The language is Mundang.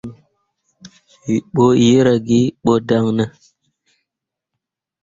Wǝǝ ɓo jerra ki ɓo dan ne ?